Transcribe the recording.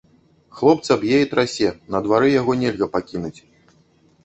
Хлопца б'е і трасе, на двары яго нельга пакінуць.